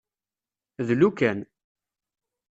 Dlu kan.